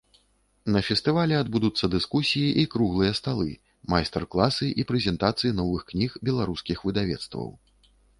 На фестывалі адбудуцца дыскусіі і круглыя сталы, майстар-класы і прэзентацыі новых кніг беларускіх выдавецтваў.